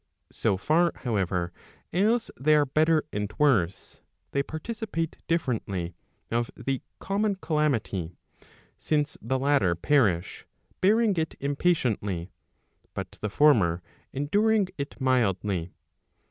So far, however, as they are better and worse, they participate differently of the common calamity; since the latter perish, bearing it impatiently, but the former enduring it mildly.